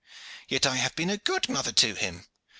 Yet I have been a good mother to him.